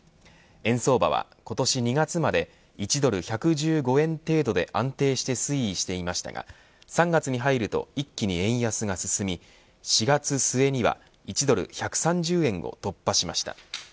円相場は今年２月まで１ドル１１５円程度で安定して推移していましたが３月に入ると一気に円安が進み４月末には１ドル１３０円を突破しました。